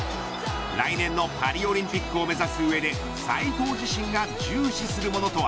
来年のパリオリンピックを目指す上で斉藤自身が重視することとは。